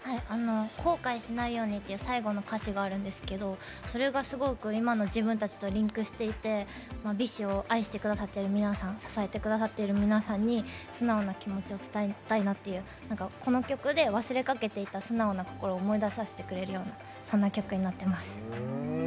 後悔しないようにっていう最後の歌詞があるんですけどそれがすごく今の自分たちとリンクしていてＢｉＳＨを応援している皆さん支えてくださっている皆さんに素直な気持ちを伝えたいなっていうこの曲で忘れかけていた素直な心を思い出させてくれるようなそんな曲になっています。